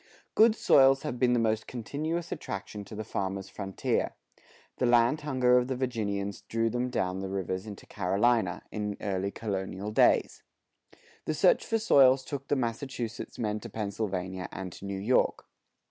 Good soils have been the most continuous attraction to the farmer's frontier. The land hunger of the Virginians drew them down the rivers into Carolina, in early colonial days; the search for soils took the Massachusetts men to Pennsylvania and to New York.